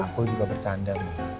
aku juga bercanda